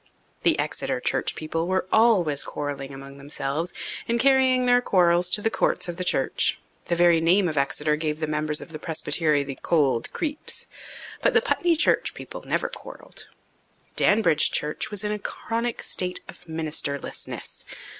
The Exeter church people were always quarrelling among themselves and carrying their quarrels to the courts of the church. The very name of Exeter gave the members of presbytery the cold creeps. But the Putney church people never quarrelled. Danbridge church was in a chronic state of ministerlessness.